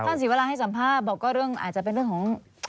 ท่านศิวาราให้สัมภาพบอกก็เรื่องอาจจะเป็นเรื่องของ